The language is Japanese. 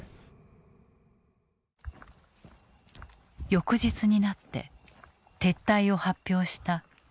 翌日になって撤退を発表したロシア軍。